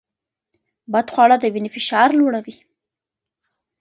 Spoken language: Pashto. بدخواړه د وینې فشار لوړوي.